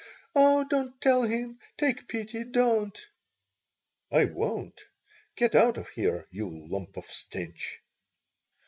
"Oh, don't tell him! Take pity! Don't." "I won't. Get out of here, you lump of stench."